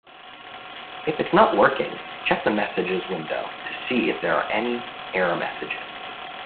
If it's not working, check the messages window to see if there are any error messages.